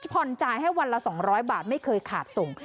ผ่อนจ่ายให้วันละ๒๐๐บาทไม่เคยขาดส่ง